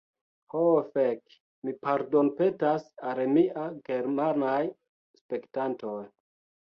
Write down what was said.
Ho fek'... mi pardonpetas al mia germanaj spektantoj!